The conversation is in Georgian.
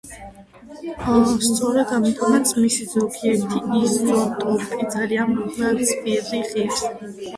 სწორედ ამიტომაც მისი ზოგიერთი იზოტოპი ძალიან ძვირი ღირს.